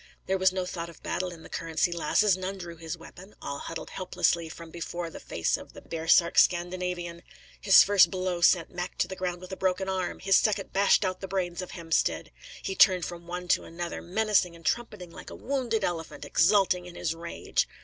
There was no thought of battle in the Currency Lasses; none drew his weapon; all huddled helplessly from before the face of the baresark Scandinavian. His first blow sent Mac to ground with a broken arm. His second bashed out the brains of Hemstead. He turned from one to another, menacing and trumpeting like a wounded elephant, exulting in his rage.